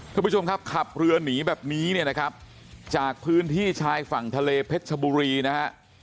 คุณผู้ชมครับขับเรือหนีแบบนี้เนี่ยนะครับจากพื้นที่ชายฝั่งทะเลเพชรชบุรีนะฮะ